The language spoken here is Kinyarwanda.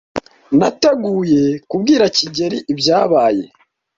Nateguye kubwira kigeli ibyabaye.